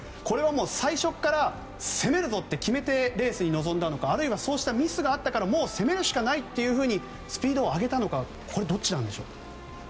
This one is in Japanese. これは最初から攻めるぞって決めてレースに臨んだのかあるいはそうしたミスがあったからもう攻めるしかないということでスピードを上げたのかどっちなんでしょう？